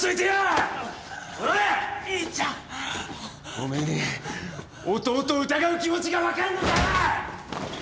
おめえに弟を疑う気持ちが分かんのかよ！